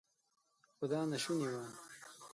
خو دا ناشونې وه.